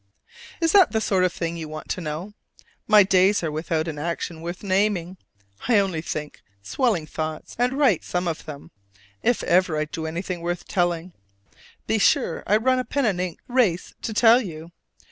Is that the sort of thing you want to know? My days are without an action worth naming: I only think swelling thoughts, and write some of them: if ever I do anything worth telling, be sure I run a pen and ink race to tell you.